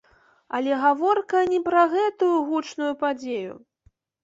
Але гаворка не пра гэтую гучную падзею.